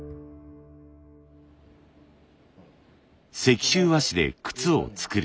石州和紙で靴を作る。